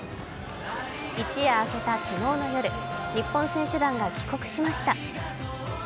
一夜明けた昨日の夜、日本選手団が帰国しました。